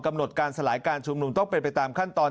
กำหนดการสลายการชุมนุมต้องเป็นไปตามขั้นตอน